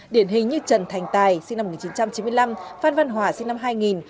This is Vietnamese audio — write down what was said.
điển hình như trần thành tài sinh năm một nghìn chín trăm chín mươi năm phan văn hòa sinh năm hai nghìn